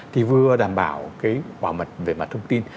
thì vừa đảm bảo cái bảo mật về mặt thông tin